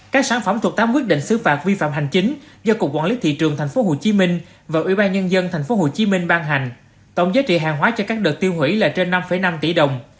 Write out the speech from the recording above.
các sản phẩm thuộc tám quyết định xứ phạt vi phạm hành chính do cục quản lý thị trường tp hcm và ủy ban nhân dân tp hcm ban hành tổng giá trị hàng hóa cho các đợt tiêu hủy là trên năm năm tỷ đồng